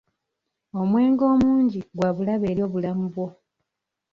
Omwenge omungi gwa bulabe eri obulamu bwo.